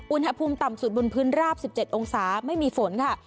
อุณหภูมิต่ำสุดบนพื้นราบ๑๗องศาไม่มีฝนค่ะ